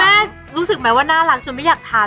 คุณแม่รู้สึกไหมว่าน่ารักจนไม่อยากทานเลย